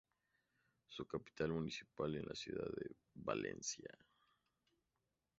Su capital municipal es la ciudad de Valencia.